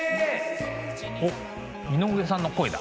おっ井上さんの声だ。